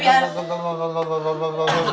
udah ini udah gampang lah